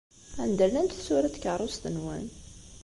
Anda llant tsura n tkeṛṛust-nwen?